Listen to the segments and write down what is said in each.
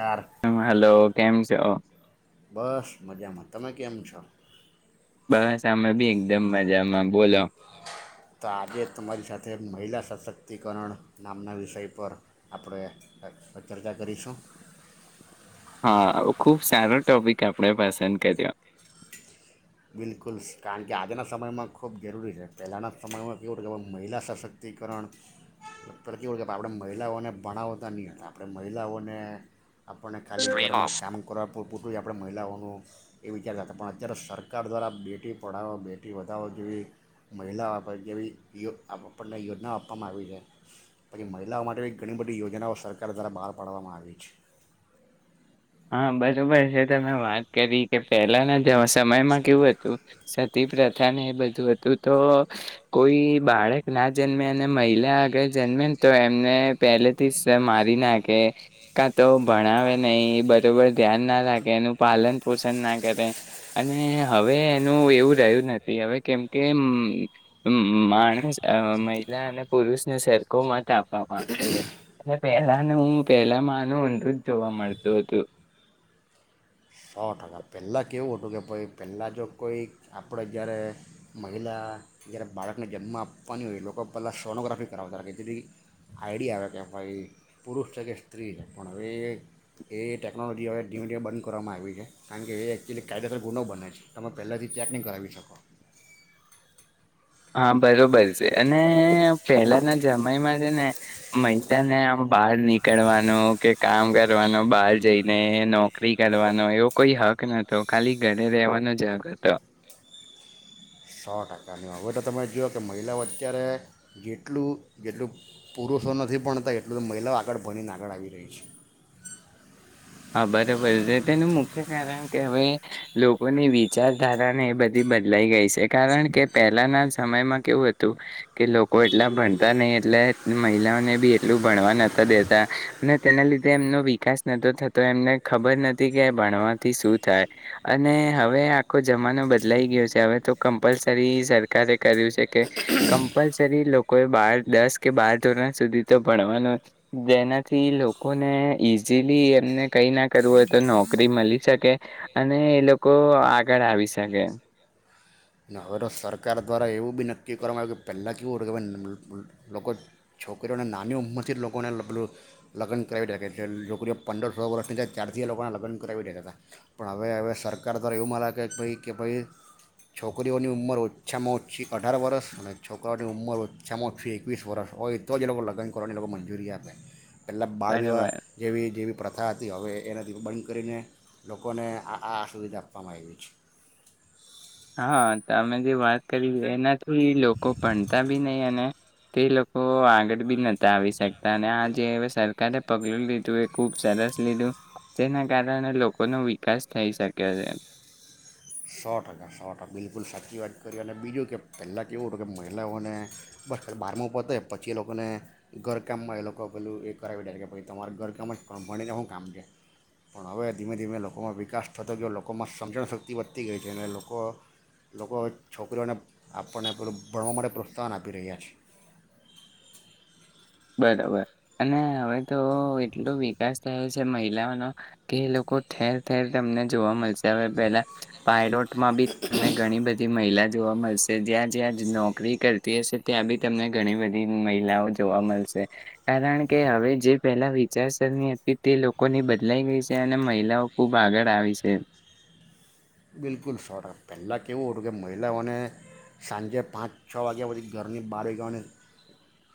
યાર હ હલો કેમ સો? બસ મજામાં તમે કેમ છો? બસ અમે બી એકદમ મજામાં બોલો. તો આજે જ તમારી સાથે મહિલા સશક્તિકરણ નામના વિષય પર આપણે ચર્ચા કરીશું. હા ખુબ સારો ટોપિક આપણે પસંદ કર્યો. બિલકુલ કારણ કે આજના સમયમાં ખૂબ જરૂરી છે પહેલાંના સમયમાં કેવું કહે મહિલા સશક્તિકરણ પહેલા કેવું કહે આપણે મહિલાઓને ભણાવતા નહીં હતા આપણે મહિલાઓને આપણને ખાલી કામ કરવા પૂટું આપણે મહિલાઓનું એ વિચારતા હતા પણ અત્યારે સર સરકાર દ્વારા બેટી પઢાવો બેટી વધાવો જેવી મહિલાઓ જેવીયો આપણને યોજનાઓ આપવામાં આવી છે પછી મહિલાઓ માટે બ ઘણી બધી યોજનાઓ સરકાર દ્વારા બહાર પાડવામાં આવી છે. હા બરોબર છે તમે વાત કરી કે પેલાના દિવ સમયમાં કેવું હતું સ સતી પ્રથા ને એ બધું હતું તો કોઈ બાળક ના જન્મે અને મહિલા આગળ જન્મે ને તો એમને પેલેથી મારી નાખ કે કા તો ભણાવે નહી બધ ધ્યાન ના રાખે એનું પાલન પોષણ ના કરે અને હવે એનું એવું રહ્યું નથી હવે કેમકે માણસ મહિલા અને પુરુષને સરખો મત આપવા માંગે છે અને પહેલાનું હું પહેલામાં આનું ઊંધું જોવા મળતું હતું. સો ટકા પહેલાં કેવું હતું કે ભાઈ પહેલાં જો કોઈક આપણે જ્યારે મહિલા જ્યારે બાળકને જન્મ આપવાની હોય એ લોકો પહેલાં સોનોગ્રાફી કરાવતા હતા કે જેની આઈડિયા આવે કે ભાઈ પુરુષ છે કે સ્ત્રી છે પણ હવે એ ટેકનોલોજી હવે ધીમે ધીમે બંધ કરવામાં આવે કારણ કે કાયદેસર ગુનો બને છે તમે પહેલાથી ચેક નહી કરાવી શકો. હા. બરોબર છે અને પેલાના જયમાં છે ને મહિલાને આ બહાર નીકળવાનું કે કામ કરવાનું બહાર જઈને નોકરી કરવાનો એવો કોઈ હક નતો ખાલી ઘરે રેવાનો જ હક હતો. સો ટકાની હવે તો તમે જોઓ કે મહિલાઓ અત્યારે જેટલું જેટલું પુરુષો નથી ભણતા એટલું તો મહિલાઓ આગળ ભણીને આગળ આવી રહી છે. હા બરોબર છે તેનું મુખ્ય કારણ કે હવે લોકોની વિચારધારાને એ બધી બદલાઈ ગઈ છે કારણ કે પહેલાના સમયમાં કેવું હતું કે લોકો એટલા ભણતા નહી એટલે મહિલાઓને બી એટલું ભણવા નતા દેતા અને તેના લીધે એમનો વિકાસ નતો થતો. તો એમને ખબર નથી કે ભણવાથી શું થાય અને હવે આખો જમાનો બદલાઈ ગયો છે હવે તો કમ્પલસરી સરકારે કર્યું છે કે કમ્પલસરી લોકોએ બાર દસ કે બાર ધોરણ સુધી તો ભણવાનું જેનાથી લોકોને ઇઝીલી એમને કઈ ના કરવું હોય તો નોકરી મળી શકે અને એ લોકો આગળ આવી શકે. હવે તો સરકાર દ્વારા એવું બી નક્કી કરવામાં આવ્યું કે પહેલાં કેવું હત કે ભ લોકો છોકરીઓને નાની ઉંમરથી જ લોકોને લગ્ન કરાવી રહ્યા છે છોકરીઓ પંદર સો વર્ષની જ ચ્યારથી લોકોને લગ્ન કરાવી રહ્યા હતા પણ હવે હવે સરકાર દ્વારા એવું મા લે ભાઈ કે ભાઈ છોક છોકરીઓની ઉંમર ઓછામાં ઓછી અઢાર વર્ષ અને છોકરાઓની ઉંમર ઓછામાં ઓછી એકવીસ વર્ષ હોય તો જ લોકો લગ્ન કરવાની લોકો મંજૂરી આપે. પહેલાં બહાર વિવાહ બરાબર જેવી જેવી પ્રથા હતી હવે એનાથી બંધ કરીને લોકોને આ આ સુવિધા આપવામાં આવી છે. હા અમે જે વાત કરી એનાથી લોકો ભણતા બી નહી અને તે લોકો આગળ બી નતા આવી શકતા અને આ જે સરકારે પગલું લીધું એ ખુબ સરસ લીધું જેના કારણે લોકોનોો વિકાસ થઈ શકે્યો છે સો ટકા સો ટકા બિલકુલ સાચી વાત કરી અને બીજું કે પહેલાં કે એવું હતું કે મહિલાઓને બસ બહારમાં પતેય પછી એ લોકોને ઘરકામમાં એ લોકો પેલું એ કરાવી દે કે ભ તમારા ઘરકામમાં જ કભાણીને શું કામ છે પણ હવે ધીમે ધીમે લોકોમાં વિકાસ થતો ગયો લોકોમાં સમજણશક્તિ વધતી ગઈ છે અને લોકો લોકો છોકરીઓને આપણને પેલું ભણવા માટે પ્રોત્સાહન આપી રહ્યા છે બરોબર અને હવે તો એટલો વિકાસ થયો છે મહિલાઓનો કે એ લોકો ઠેર ઠેર તમને જોવા મળશે હવે પેલા પાયડો માં બી તમને ઘણી બધી મહિલા જોવા મળશે જ્યાં જ્યાં નોકરી કરતી હશે ત્યાં બી તમને ઘણી બધી મહિલાઓ જોવા મળશે કારણ કે હવે જે પહેલા વિચારસરણી હતી તે લોકોની બદલાઈ ગઈ છે અને મહિલાઓ ખૂબ આગળ આવી છે બિલકુલ સો ટ પહેલાં કેવું હતું કે મહિલાઓને સાંજે પાંચ છ વાગ્યા પછી ઘરની બહાર જવાની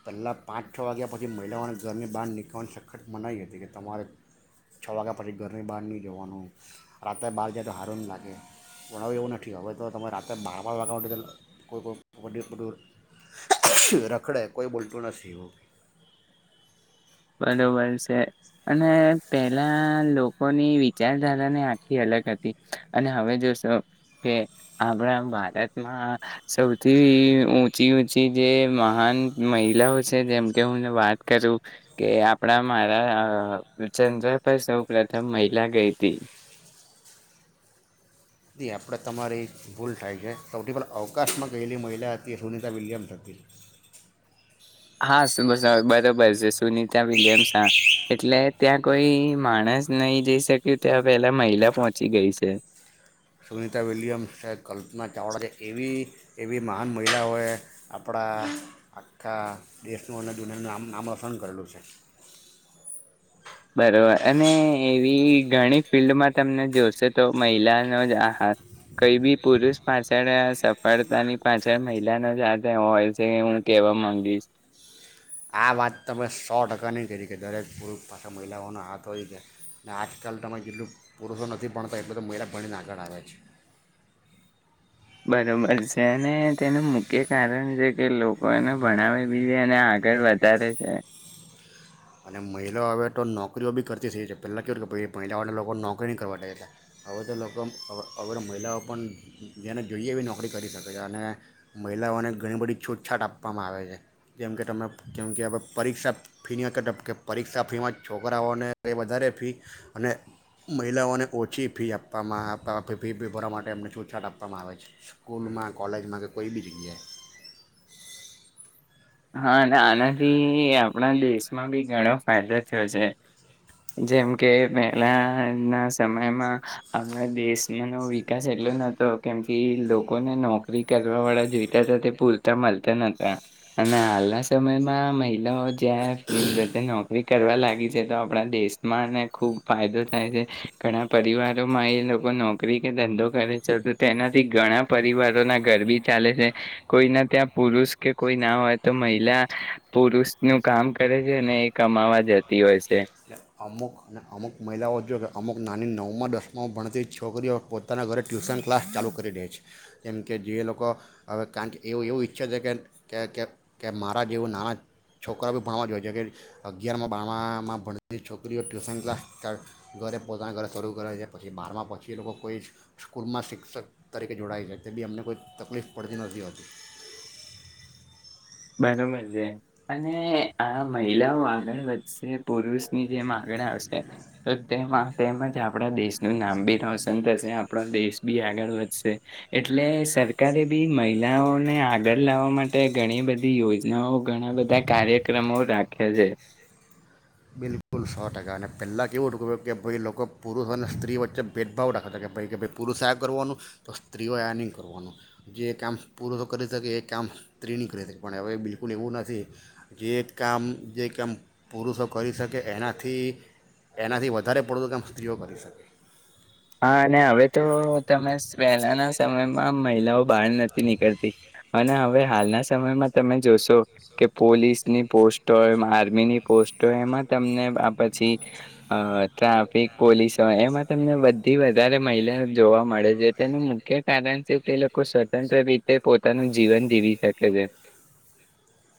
પહેલાં પાંચ છ વાગ્યા પછી મહિલાઓને ઘરની બહાર નીકળવાની સખત મનાવી હતી કે તમારે છ વાગ્યા પછી ઘરની બહાર નહીં જવાનું રાતે બહાર જાય તો હારું લાગે ઓકે ભણાવો એવું નથી હવે તો તમે રાતેે બાર બાર વાગવા માટે કોઈું રખડે કોઈ બોલતું નથી ઓકે બરોબર છે અને પેલા લોકોની વિચારધારાને આખી અલગ હતી અને હવે જોશો કે આપણા ભારતમાં સૌથી ઊંચી ઊંચી જે મહાન મહિલાઓ છે જેમકે હું વાત કરું કે આપણા મારા ચંદ્રભાઈ સૌ પ્રથમ મહિલા ગઈ હતી એ આપણે તમારી ભૂલ થાય છે સૌથી પહેલા અવકાશમાં ગયલી મહિલા હતી સુનિતા વિલિયમ્સ હતી હા બરોબર છે સુનિતા વિલિયમ્સ એટલે ત્યાં કોઈ માણસ નહી જઈ શક્યું ત્યાં પેલા મહિલા પહોંચી ગઈ છે સુનીિતા વિલિયમ્સ છે કલ્પના ચાવડા છે એવી એવી મહાન મહિલાઓએ આપણા આખા દેશનું અને દુનિયાનું નામ નામ રોશન કરેલું છે બરોબર અને એવી ઘણી ફિલ્ડમાં તમને જોશે તો મહિલાનો જ આહાર કઈ બી પુરુષ પાછળ સફળતાની પાછળ મહિલાનો જ આથ હોય છે હું કેવા માંગીશ આ વાત તમે સો ટકાની કરી કે દરેક પુરુષ પાસે મહિલાઓનો હાથ હોય છેાય અને આજકાલ તમે જેટલું પુરુષો નથી ભણતા એટલ તો મહિલા ભણીને આગળ આવે છે બરોબર છે અને તેનું મુખ્ય કારણ છે કે લોકો એને ભણાવે બીજે અને આગળ વધારે છે અને મહિલાઓ હવે તો નોકરીઓ બી કરતી થઈ છે પહેલાં કેવું મહિલાઓને લોકો નોકરી નહીં કરવા હવે તો લોકો હવે તો મહિલાઓ પણ જેને જોઈએ બી નોકરી કરી શકે છે અને મહિલાઓને ઘણી બધી છૂટછાટ આપવામાં આવે છે જેમ કે તમે કેમ કે હવે પરીક્ષા ફીની બ કે પરીક્ષા ફીમાં છોકરાઓને એ વધારે ફી અને મહિલાઓને ઓછી ફી આપવામાં ફી ભરવા માટે એમને છૂટછાટ આપવામાં આવે છે સ્કૂલમાં કોલેજમાં કે કોઈ બી જગ્યાએ હા અને આનાથી આપણા દેશમાં બી ઘણો ફાયદો થયો છે જેમ કે પહેલા ના સમયમાં આપણા દેશનોો વિકાસ એટલો નહતો કેમ કે લોકોને નોકરી કરવા વાળા જોઈતા હતા તે પૂરતા મળતા નહતા અને હાલના સમયમાં મહિલાઓ ચ્ટાફ ન નોરી કરવા લાગી છે તો આપણા દેશમાંને ખુબ ફાયદો થાય છે ઘણા પરિવારોમાં એ લોકો નોકરી કે ધંધો કરે છે તો તેનાથી ઘણા પરિવારો ના ગરબી ચાલે છે કોઈને ત્યાં પુરુષ કે કોઈ ના હોય તો મહિલા પુરુષ નું કામ કરે છે અને એ કમાવા જતી હોય છે એટલે અમુક અને અમુક મહિલાઓ જો કે અમુક નાની નવમાં દસમાંમાં ભણતી છોકરીઓ પોતાના ઘરે ટ્યુશન ક્લાસ ચાલુ કરી દે છે જેમકે જે લોકો હવે કારણ કે એવું એવું ઈચ્છે છે કે કે મારા જેવું નાના છોકરા બી ભણવા જોઈએ છે કે અગિયારમાં બારમાં ભણ પછી છોકરીઓ ટ્યુશન ક્લાસ ઘરે પોતાના ઘરે શરૂ કરે છે પછી બહારમાં પછી એ લોકો કોઈ સ્કૂલમાં શિક્ષક તરીકે જોડાય છે તે બી અમને કોઈ તકલીફ પડતી નથી હોતી બરોબર છે અને આ મહિલાઓ આગળ વધશે પુરુષની જેમ આગળ આવશે તો તેમાં તેમજ આપણા દેશનું નામ બી રોશન થશે આપણો દેશ બી આગળ વધશે એટલે સરકારે બી મહિલાઓને આગળ લાવવા માટે ઘણી બધી યોજનાઓ ઘણા બધા કાર્યક્રમો રાખે છે બિલકુલ સો ટકા અને પહેલાં કેવું ૂક કે ભાઈ લોકો પુરુષો અને સ્ત્રી વચ્ચે ભેદભાવ રાખેતા કે ભાઈ કે ભાઈ પુરુષ આ કરવાનું તો સ્ત્રીઓ આ નહીં કરવાનું જે કામ પુરુષો કરી શકે એ કામ સ્ત્રી નહીં કરી શકે પણ હવે બિલકુલ એવું નથી જે કામ જે કામ પુરુષો કરી શકે એનાથી એનાથી વધારે પડતું કામ સ્ત્રીઓ કરી શકે હા અને હવે તો તમે વહેલાના સમયમાં મહિલાઓ બહાર નથી નીકળતી અને હવે હાલના સમયમાં તમે જોશો કે પોલીસની પોસ્ટ હોય આર્મી ની પોસ્ટ હોય એમાં તમને પછી ટ્રાફિક પોલીસ હોય એમાં તમને બ થી વધારે મહિલા જોવા મળે છે તેનું મુખ્ય કારણ છે તે લોકો સ્વતંત્ર રીતે પોતાનું જીવન જીવી શકે છે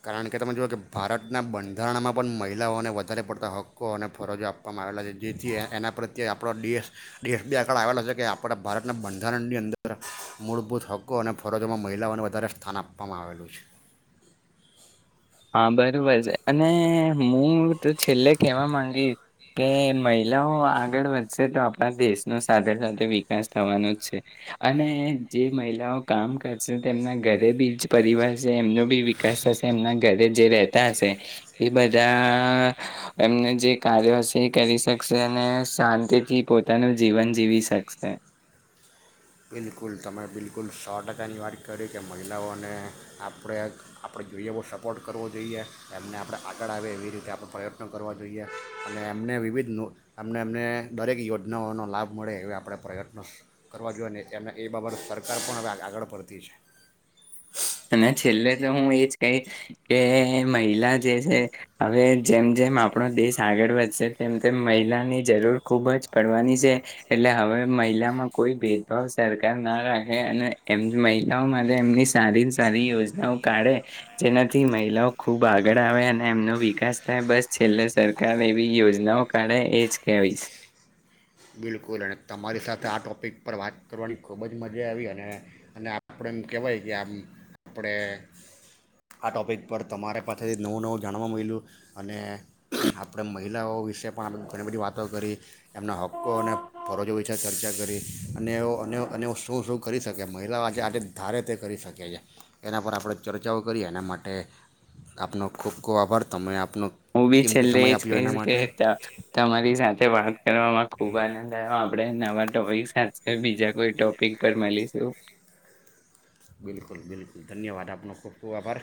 કારણ કે તમે જુઓ કે ભારતના બંધારણમાં પણ મહિલાઓને વધારે પડતા હક્કો અને ફરજો આપવામાં આવેલા છે જેથી એના પ્રત્યે આપણાો દેશ દેશ બે આંકળ આવેલો છે કે આપણા ભારતના બંધારણની અંદર મૂળભૂત હક્કો અને ફરજોમાં મહિલાઓને વધારે સ્થાન આપવામાં આવેલું છે હા બરોબર છે અને હું તો છેલ્લે કેવા માંગી કે મહિલાઓ આગળ વધશે તો આપણા દેશનો સાથે સાથે વિકાસ થવાનો જ છે અને જે મહિલાઓ કામ કરશે તેમના ઘરે બી જ પરિવાર છે એમનો બી વિકાસ થશે એમના ઘરે જે રતા હશે એ બધા એમને જે કાર્યો હશે એ કરી શકશે અને શાંતિથી પોતાનું જીવન જીવી શકશે બિલકુલ તમે બિલકુલ સો ટકાની વાત કરી કે મહિલાઓને આપણે આપણે જોઈએ બહો સપોર્ટ કરવો જોઈએ એમને આપણે આગળ આવેએ એવી રીતે આપણે પ્રયત્નો કરવા જોઈએ અને એમને વિવિધ એમને એમને દરેક યોજનાઓનો લાભ મળે એવા આપણે પ્રયત્નો કરવા જોઈએને એમ એ બાબત સરકાર પણ હવે આગળ પડતી છે અને છેલ્લે તો હું એજ કહી કે મહિલા જે છે હવે જેમ જેમ આપણો દેશ આગળ વધશે તેમ તેમ મહિલાની જરૂર ખુબ જ પડવાની છે એટલે હવે મહિલામાં કોઈ ભેદભાવ સરકાર ના રાખે અને એ મહિલાઓ માટે એમની સારી કારી યોજનાઓ કાઢે જેનાથી મહિલાઓ ખૂબ આગળ આવે અને એમનો વિકાસ થાય બસ છેલ્લે સરકાર એવી યોજનાઓ કાઢે એજ કેવીશ બિલકુલ અને તમારી સાથે આ ટૉપિક પર વાત કરવાની ખૂબ જ મજા આવી અને અને આપણે એમ કહેવાય કે આમ આપણે આ ટૉપિક પર તમારે પાસેથી નવું નવું જાણવા મળલ્યું અને આપણે મહિલાઓ વિશે પણ આપ ઘણી બધી વાતો કરી એમના હક કો અને ફરજો વિશે ચર્ચા કરી અને એ અને એ શું શું કરી શકે મહિલાઓ આજે આજે ધારે તે કરી શકે છે એના પર આપણે ચર્ચાઓ કરીએ એના માટે આપનો ખૂબ ખૂબ આભાર તમે આપ હું બી છેલ્લે એજ કહીશ કે તમારી સાથે વાત કરવા ખુબ આનંદ આવ્યો આપણે નવા ટોપિક સાથે બીજા કોઈ ટોપિક પર મળીશું બિલકુલ બિલકુલ ધન્યવાદ આપનો ખૂબ ખૂબ આભાર